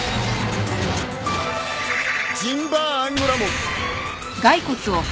ジンバーアンゴラモン！